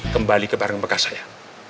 kembali ke barang bekas saya